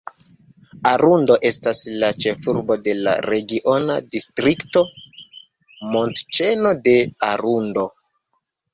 Arundo estas la ĉefurbo de la regiona distrikto "Montĉeno de Arundo".